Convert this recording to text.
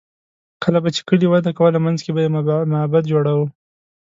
کله به چې کلي وده کوله، منځ کې به یې معبد جوړاوه.